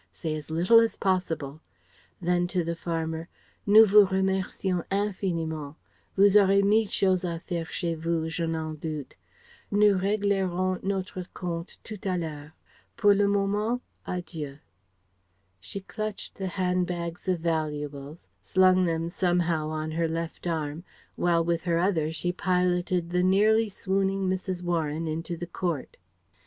Say as little as possible." Then to the farmer: "Nous vous remercions infiniment. Vous aurez mille choses à faire chez vous, je n'en doute. Nous réglerons notre compte tout à l'heure.... Pour le moment, adieu." She clutched the handbags of valuables, slung them somehow on her left arm, while with her other she piloted the nearly swooning Mrs. Warren into the court.